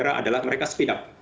mereka adalah mereka speed up